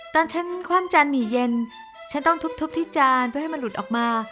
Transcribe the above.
ตอนฉันคว่ำจานหมี่เย็นฉันต้องทุบที่จานเพื่อให้มันหลุดออกมา